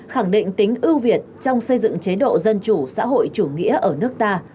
khẳng định tính ưu việt trong xây dựng chế độ dân chủ xã hội chủ nghĩa ở nước ta